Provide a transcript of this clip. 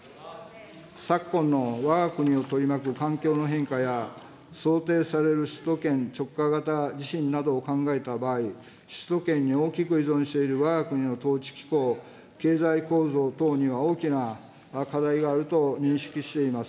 昨今のわが国を取り巻く環境の変化や、想定される首都圏直下型地震などを考えた場合、首都圏に大きく依存しているわが国の統治機構、経済構造等には大きな課題があると認識しています。